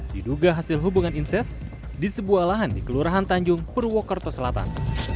diduga hasil hubungan inses di sebuah lahan di kelurahan tanjung purwokerto selatan